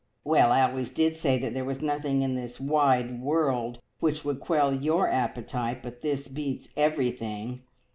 "Well, I always did say that there was nothing in this wide world which would quell your appetite, but this beats everything!